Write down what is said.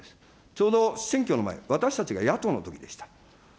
ちょうど選挙の前、私たちが野党のときでした。